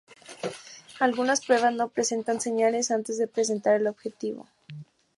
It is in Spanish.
Algunas pruebas no presentan señales antes de presentar el objetivo.